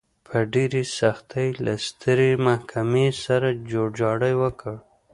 په ډېرې سختۍ له سترې محکمې سره جوړجاړی وکړ.